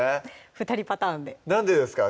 ２人パターンでなんでですか？